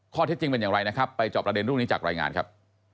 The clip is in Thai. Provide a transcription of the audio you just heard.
ข้อเท็จจริงเป็นอย่างไรนะครับไปจอบประเด็นเรื่องนี้จากรายงานครับ